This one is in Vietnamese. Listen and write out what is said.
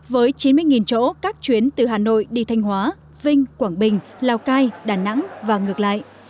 với chín mươi chỗ các chuyến từ hà nội đi thanh hóa vinh quảng bình lào cai đà nẵng và ngược lại